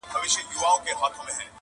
په لړزه يې سوه لكۍ او اندامونه!!